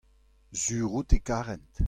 sur out e karent.